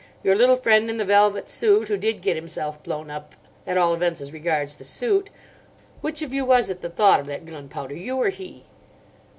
Your little friend in the velvet suit who did get himself blown up, at all events as regards the suit— Which of you was it that thought of that gunpowder, you or he?"